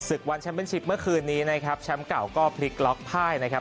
ศึกวันแชมป์เชิปเมื่อคืนนี้นะครับช้ำเก่าก็พลิกล็อกท่ายนะครับ